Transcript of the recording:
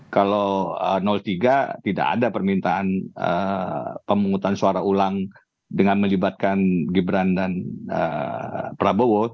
kalau tiga tidak ada permintaan pemungutan suara ulang dengan melibatkan gibran dan prabowo